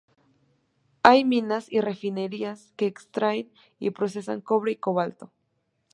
Hay minas y refinerías que extraen y procesan cobre y cobalto.